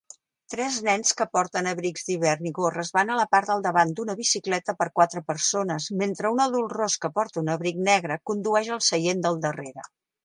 Tres nens que porten abrics d'hivern i gorres van a la part del davant d'una bicicleta per quatre persones mentre un adult ros que porta un abric negre condueix al seient del darrera